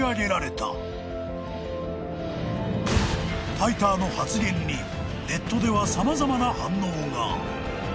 ［タイターの発言にネットでは様々な反応が］